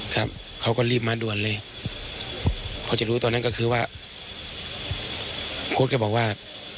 ครับเขาก็รีบมาด่วนเลยพอจะรู้ตอนนั้นก็คือว่าโค้ดก็บอกว่า